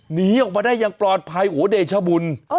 หนีออกมาได้อย่างปลอดภัยโอ้เดชบุญ